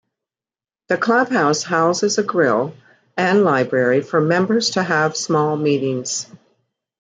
The Clubhouse houses a grill, and library for members to have small meetings.